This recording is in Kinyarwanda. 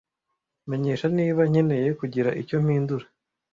Menyesha niba nkeneye kugira icyo mpindura.